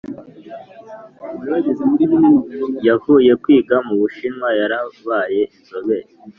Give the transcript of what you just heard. yavuye kwiga mu bushinwa yarabaye inzobe